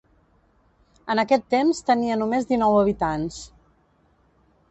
En aquest temps tenia només dinou habitants.